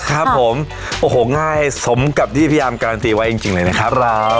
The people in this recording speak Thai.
ครับผมโอ้โหง่ายสมกับที่พี่อาร์มการันตีไว้จริงเลยนะครับ